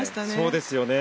そうですよね。